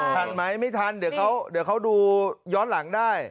ทันไหมไม่ทันเดี๋ยวเขาดูย้อนหลังได้